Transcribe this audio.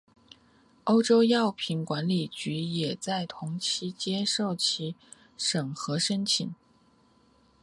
欧洲药品管理局也在同期接受其审查申请。